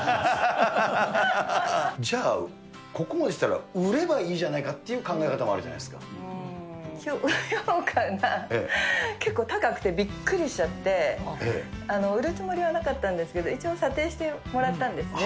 じゃあ、ここまでしたら売ればいいじゃないかという考え方もあるうーん、評価が結構高くてびっくりしちゃって、売るつもりはなかったんですけど、一応査定してもらったんですね。